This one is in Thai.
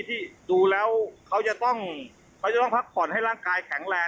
ที่เพียงเค้าจะต้องผัดผ่อนให้ร่างกายแข็งแรง